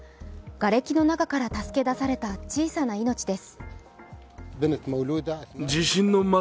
がれきの中から助け出された小さな命です。